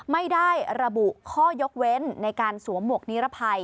ไม่ได้ระบุข้อยกเว้นในการสวมหมวกนิรภัย